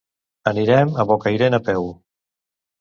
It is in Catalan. Anirem a Bocairent a peu.